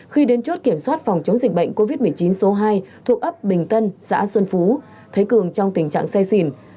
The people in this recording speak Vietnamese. khi đến chốt kiểm soát phòng chống dịch bệnh covid một mươi chín số hai thuộc ấp bình tân xã xuân phú thấy cường trong tình trạng say xỉn